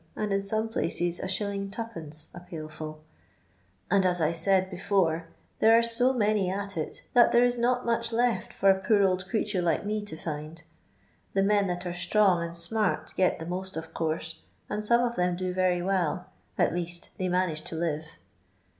and in some placea Is. 2d, a pail full ; and, as I said befon, there are so many at it, that there is not muek left for a poor old creature like me to find. Tho men that are tlrong and smart get the most, of course, and some of them do very well, at least they manage to live.